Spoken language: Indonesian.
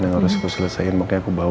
yang harus kuselesain makanya aku bawa